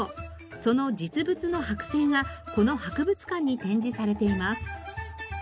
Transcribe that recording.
その実物の剥製がこの博物館に展示されています。